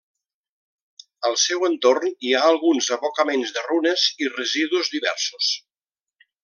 Al seu entorn hi ha alguns abocaments de runes i residus diversos.